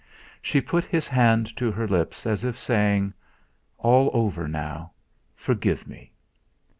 She put his hand to her lips, as if saying: "All over now! Forgive me!"